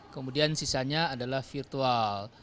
kemudian sisanya adalah virtual